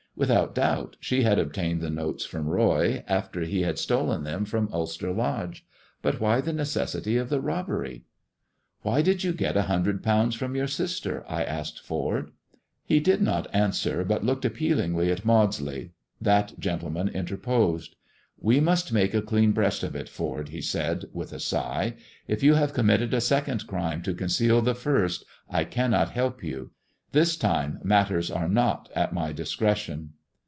Without doubt she had obtained the notes from Roy, after he had stolen them from Ulster Lodge. But why the necessity of the robbery 1 "Why did you get a hundred pounds from your sister 1" I asked Ford. He did not answer, but looked appealingly at Maudsley. That gentleman interposed. " We must make a clean breast of it. Ford," he said, with a sigh ;" if you have committed a second crime to conceal the first, I cannot help you. This time matters are not at my discretion."